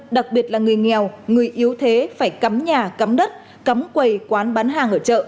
đặc biệt là người nghèo người yếu thế phải cắm nhà cắm đất cắm quầy quán bán hàng ở chợ